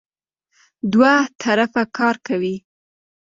دوه طرفه کار کوي.